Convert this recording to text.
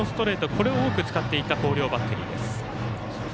これを多く使っていった広陵バッテリーです。